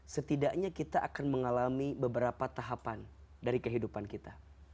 setidaknya kita akan mengalami beberapa tahapan dari kehidupan kita